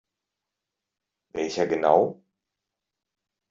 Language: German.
Welcher genau?